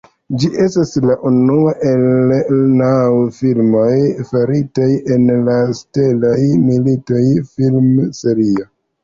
Ĝi estas la unua el naŭ filmoj faritaj en la Stelaj Militoj film-serio.